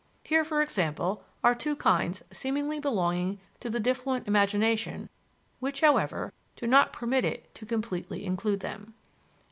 Here, for example, are two kinds seemingly belonging to the diffluent imagination which, however, do not permit it to completely include them.